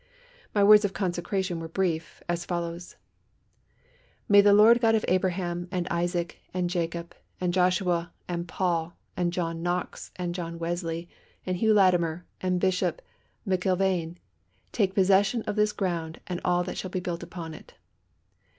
My words of consecration were brief, as follows: "May the Lord God of Abraham, and Isaac, and Jacob, and Joshua, and Paul, and John Knox, and John Wesley, and Hugh Latimer, and Bishop McIlvaine take possession of this ground and all that shall be built upon it."